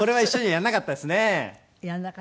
やらなかったです。